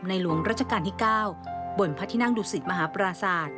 หลวงราชการที่๙บนพระที่นั่งดุสิตมหาปราศาสตร์